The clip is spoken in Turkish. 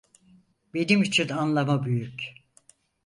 Benim için anlamı büyük.